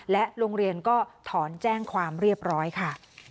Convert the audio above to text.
และโรงเรียนก็ถอนแจ้งความเรียบร้อยค่ะ